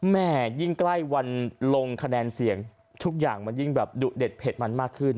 แม่ยิ่งใกล้วันลงคะแนนเสียงทุกอย่างมันยิ่งแบบดุเด็ดเผ็ดมันมากขึ้น